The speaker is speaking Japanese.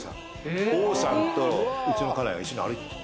王さんと、うちの家内が一緒に歩いてる。